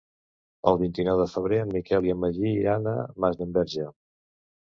El vint-i-nou de febrer en Miquel i en Magí iran a Masdenverge.